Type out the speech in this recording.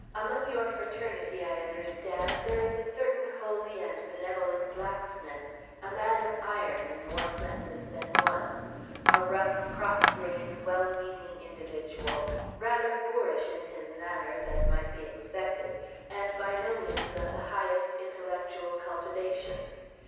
"Among your fraternity, I understand, there is a certain holy and benevolent blacksmith; a man of iron, in more senses than one; a rough, cross grained, well meaning individual, rather boorish in his manners, as might be expected, and by no means of the highest intellectual cultivation.